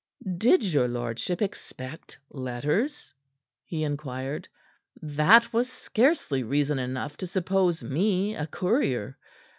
"Did your lordship expect letters?" he inquired. "That was scarcely reason enough to suppose me a courier.